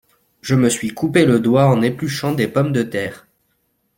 Je me suis coupé le doigt en épluchant des pommes de terre.